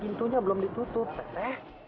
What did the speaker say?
eh pintunya belum ditutup teteh